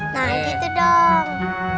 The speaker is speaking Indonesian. nah itu dong